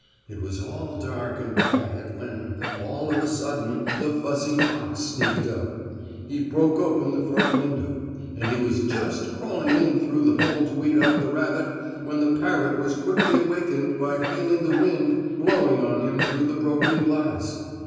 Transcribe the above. It was all dark and quiet when, all of a sudden, the fuzzy fox sneaked up. He broke open the front window, and he was just crawling in through the hole to eat up the rabbit when the parrot was quickly awakened by feeling the wind blowing on him through the broken glass.